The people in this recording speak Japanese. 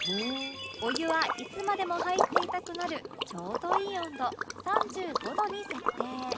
お湯はいつまでも入っていたくなるちょうどいい温度３５度に設定